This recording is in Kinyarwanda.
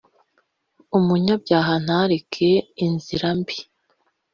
umunyabyaha ntareke inzira mbi